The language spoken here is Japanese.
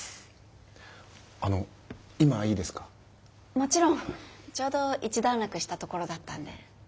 もちろんちょうど一段落したところだったんで。